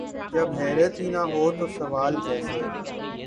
جب حیرت ہی نہ ہو تو سوال کیسے؟